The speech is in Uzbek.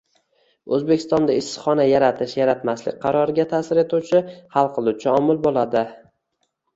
O‘zbekistonda issiqxona yaratish-yaratmaslik qaroriga ta’sir etuvchi hal qiluvchi omil bo‘ladi.